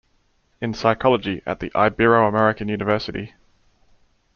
in Psychology at the Ibero-American University.